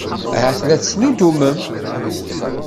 Ahat la tettnuddumem.